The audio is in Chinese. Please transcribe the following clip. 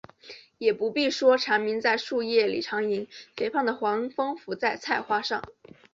也不必说鸣蝉在树叶里长吟，肥胖的黄蜂伏在菜花上